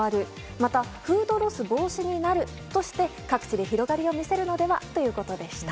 また、フードロス防止になるとして各地で広がりを見せるのではということでした。